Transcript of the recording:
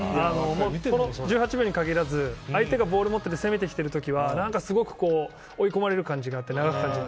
この１８秒に限らず、相手がボール持って攻めてきてる時はすごく追い込まれる感じがあって長く感じる。